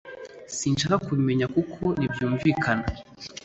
Sinshaka kubimenya kuko ntibyumvikana